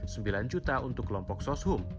rp sembilan juta untuk kelompok soshum